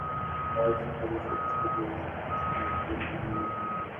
এশিয়ায় পানির সংকট ক্রমেই বাড়ছে, তবে সেটা শুধু সমুদ্রসীমার দ্বন্দ্ব নিয়ে নয়।